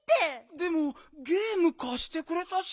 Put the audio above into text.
でもゲームかしてくれたし。